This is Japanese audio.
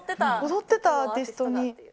踊ってたアーティストに。